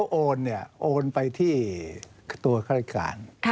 อันนี้เขาโอนไปที่ตัวฆาตการ